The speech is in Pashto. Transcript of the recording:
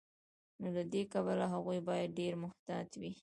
نو له دې کبله هغوی باید ډیر محتاط وي.